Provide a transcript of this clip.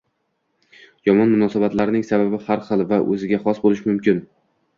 Yomon munosabatlarning sababi har xil va o‘ziga xos bo‘lishi mumkin.